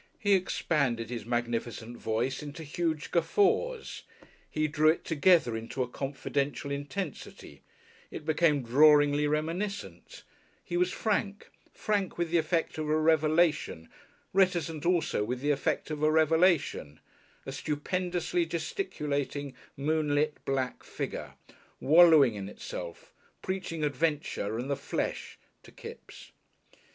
He expanded his magnificent voice into huge guffaws, he drew it together into a confidential intensity, it became drawlingly reminiscent, he was frank, frank with the effect of a revelation, reticent also with the effect of a revelation, a stupendously gesticulating, moonlit black figure, wallowing in itself, preaching Adventure and the Flesh to Kipps.